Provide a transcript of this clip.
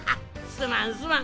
すまんすまん。